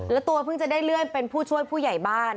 แล้วตัวเพิ่งจะได้เลื่อนเป็นผู้ช่วยผู้ใหญ่บ้าน